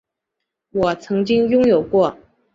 我曾经拥有过